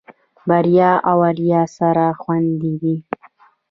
بريا او آريا سره خويندې دي.